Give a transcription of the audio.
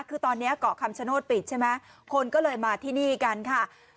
คือตอนนี้เกาะคำชโนธปิดใช่ไหมคนก็เลยมาที่นี่กันค่ะ